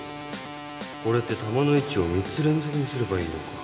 これって弾の位置を３つ連続にすればいいのか